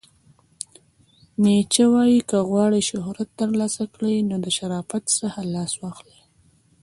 نیچه وایې، که غواړئ شهرت ترلاسه کړئ نو د شرافت څخه لاس واخلئ!